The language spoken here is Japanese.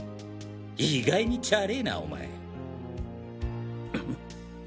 意外にチャレなお前。